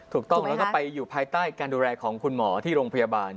ถูกต้องแล้วก็ไปอยู่ภายใต้การดูแลของคุณหมอที่โรงพยาบาล